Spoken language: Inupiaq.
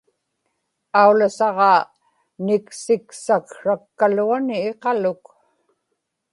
aulasaġaa niksiksaksrakkaluani iqaluk